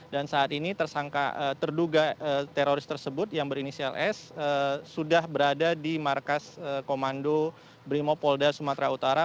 dan saat ini terduga teroris tersebut yang berinisial s sudah berada di markas komando brimob oda sumbar